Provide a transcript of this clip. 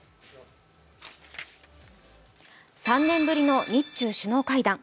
３年ぶりの日中首脳会談。